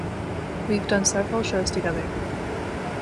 We've done several shows together.